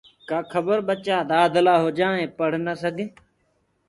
ڪآ کبر ٻچآ دآدلآ هوجآئين پڙه نآ سڪين